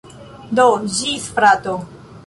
Do, ĝis frato!